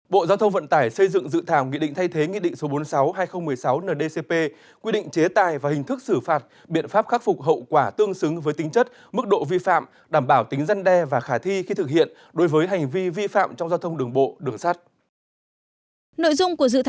bộ giao thông vận tải xây dựng dự thảo nghị định thay thế nghị định số bốn mươi sáu hai nghìn một mươi sáu ndcp quy định chế tài và hình thức xử phạt biện pháp khắc phục hậu quả tương xứng với tính chất mức độ vi phạm đảm bảo tính dân đe và khả thi khi thực hiện đối với hành vi vi phạm trong giao thông đường bộ đường sắt